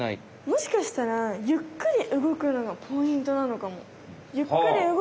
もしかしたらゆっくり動くのがポイントなのかも。